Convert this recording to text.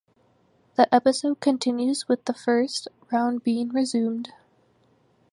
The episode continues with the first round being resumed.